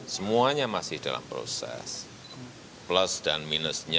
semuanya masih dalam proses plus dan minusnya